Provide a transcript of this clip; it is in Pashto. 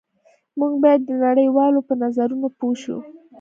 موږ باید د نړۍ والو په نظرونو پوه شو